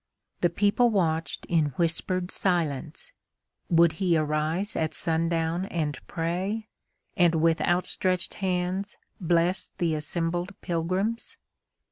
The people watched in whispered silence. Would he arise at sundown and pray, and with outstretched hands bless the assembled pilgrims?